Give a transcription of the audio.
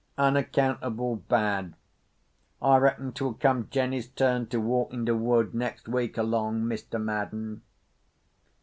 Unaccountable bad. I reckon t'will come Jenny's turn to walk in de wood nex' week along, Mr. Madden."